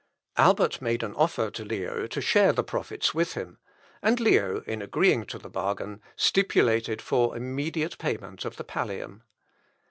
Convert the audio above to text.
Albert made an offer to Leo to share the profit with him, and Leo, in agreeing to the bargain, stipulated for immediate payment of the Pallium.